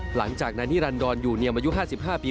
หลังจากนายนิรันดรอยู่เนียมอายุ๕๕ปี